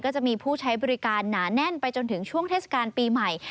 จะมีผู้ใช้บริการหนาแน่นไปจนถึงช่วงเทศกาลปีใหม่